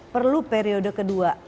perlu periode kedua